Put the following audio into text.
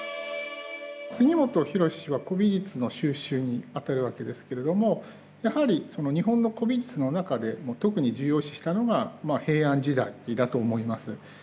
杉本博司は古美術の収集に当たるわけですけれどもやはりその日本の古美術の中で特に重要視したのが平安時代だと思います。